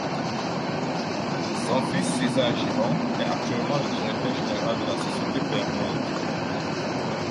Son fils, César Giron, est actuellement le directeur général de la société Pernod.